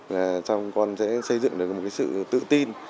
và con sẽ xây dựng được một sự tự nhiên